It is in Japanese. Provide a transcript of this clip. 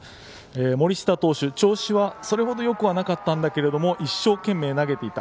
森下投手、調子はそれほどよくなかったんですが一生懸命投げていた。